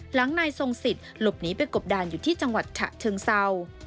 หลังนายทรงสิทธิ์หลบหนีไปกบดานอยู่ที่จังหวัดฉะเชิงเศร้า